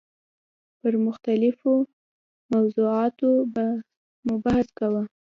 پر مختلفو موضوعاتو مو بحث کاوه.